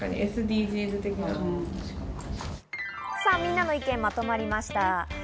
みんなの意見がまとまりました。